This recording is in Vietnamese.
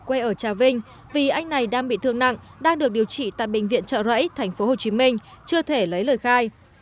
quê ở trà vinh vì anh này đang bị thương nặng đang được điều trị tại bệnh viện trợ rẫy tp hcm chưa thể lấy lời khai